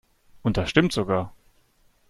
Und das stimmt sogar.